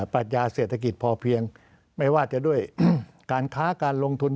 ปัญญาเศรษฐกิจพอเพียงไม่ว่าจะด้วยการค้าการลงทุน